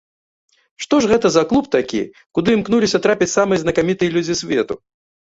Што ж гэта за клуб такі, куды імкнуліся трапіць самыя знакамітыя людзі свету?